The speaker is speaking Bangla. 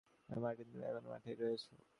আমি মার্টিন তুমি কি এখনও মাঠেই রয়েছো?